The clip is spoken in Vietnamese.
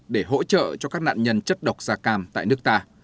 để hỗ trợ cho các nạn nhân chất độc da cam tại nước ta